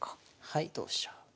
はい同飛車。